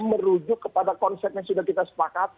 merujuk kepada konsep yang sudah kita sepakat